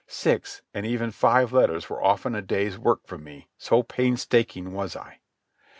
Six, and even five, letters were often a day's work for me, so painstaking was I.